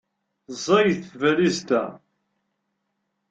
Ẓẓayet tbalizt-a.